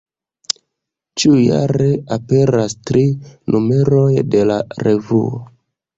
Ĉiujare aperas tri numeroj de la revuo.